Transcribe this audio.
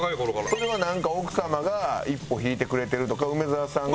それはなんか奥様が一歩引いてくれてるとか梅沢さんが。